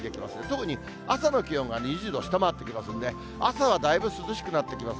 特に朝の気温が２０度を下回ってきますんで、朝はだいぶ涼しくなってきます。